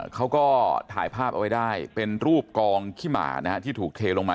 เขาก็ถ่ายภาพเอาไว้ได้เป็นรูปกองขี้หมานะฮะที่ถูกเทลงมา